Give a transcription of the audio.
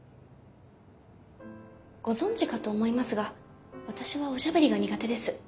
ご存じかと思いますが私はおしゃべりが苦手です。